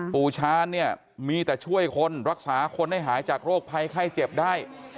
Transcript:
ปู่ชาญเนี่ยมีแต่ช่วยคนรักษาคนให้หายจากโรคภัยไข้เจ็บได้